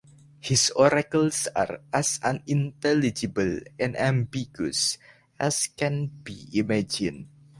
His oracles are as unintelligible and ambiguous as can be imagined.